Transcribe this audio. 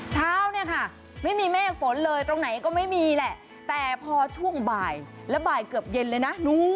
เช้าเนี่ยค่ะไม่มีเมฆฝนเลยตรงไหนก็ไม่มีแหละแต่พอช่วงบ่ายและบ่ายเกือบเย็นเลยนะ